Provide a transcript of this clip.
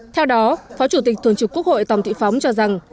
theo đó phó chủ tịch thường trực quốc hội tòng thị phóng cho rằng